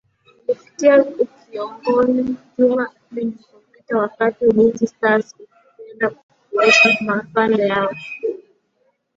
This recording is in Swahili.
ilifikia ukiongoni juma lilopita wakati ulinzi stars ukipenda kuwaita maafande hawa